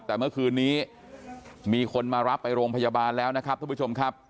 แต่เมื่อคืนนี้มีคนมารับไปโรงพยาบาลแล้วนะครับทุกผู้ชมครับ